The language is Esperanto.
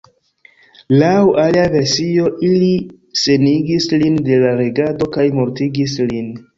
Laŭ alia versio ili senigis lin de la regado kaj mortigis lin.